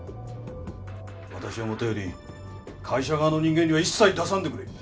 わたしはもとより会社側の人間には一切出さんでくれ。